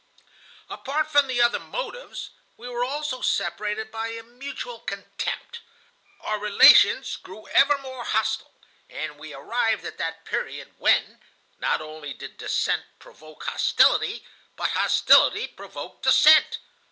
"Apart from the other motives, we were also separated by a mutual contempt. Our relations grew ever more hostile, and we arrived at that period when, not only did dissent provoke hostility, but hostility provoked dissent.